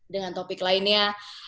dengan topik lainnya